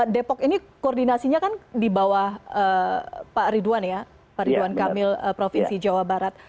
depok ini koordinasinya kan di bawah pak ridwan ya pak ridwan kamil provinsi jawa barat